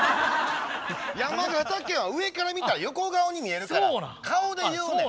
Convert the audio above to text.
山形県は上から見たら横顔に見えるから顔で言うねん。